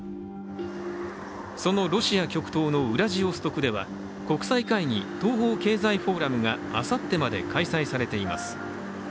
そのロシア極東のウラジオストクでは国際会議、東方経済フォーラムがあさってまで開催されています。